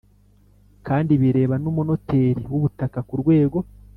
Kandi bireba n umunoteri w ubutaka ku rwego